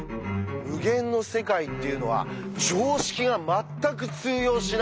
無限の世界っていうのは常識がまったく通用しない